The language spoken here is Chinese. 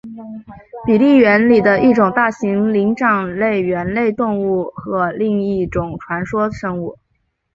比利猿里的一种大型灵长类猿类动物或另一种传说生物。